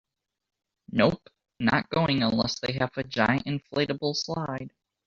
Nope, not going unless they have a giant inflatable slide.